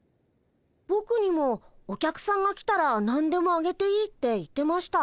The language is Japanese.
ぼくにもお客さんが来たらなんでもあげていいって言ってました。